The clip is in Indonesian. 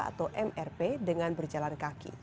atau mrp dengan berjalan kaki